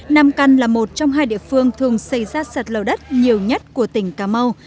nam căn là một trong hai địa phương thường xảy ra sạt lở đất nhiều nhất của tỉnh cà mau